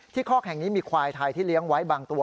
คอกแห่งนี้มีควายไทยที่เลี้ยงไว้บางตัว